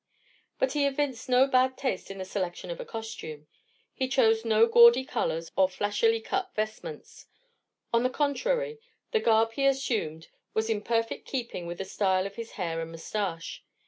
But he evinced no bad taste in the selection of a costume. He chose no gaudy colours, or flashily cut vestments. On the contrary, the garb he assumed was in perfect keeping with the style of his hair and moustache.